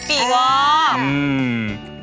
ปีวอก